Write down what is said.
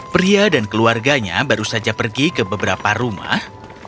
pria dan keluarganya baru saja pergi ke beberapa rumah